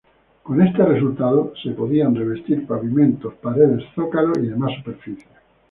Con este resultado se podían revestir pavimentos, paredes, zócalos y demás superficies.